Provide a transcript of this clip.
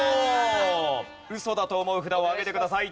ウソだと思う札を上げてください。